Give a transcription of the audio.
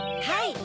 はい！